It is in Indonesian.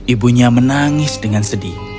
ibunya menangis dengan sedih